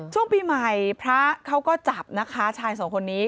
ช่วงปีใหม่พระเขาก็จับนะคะชายสองคนนี้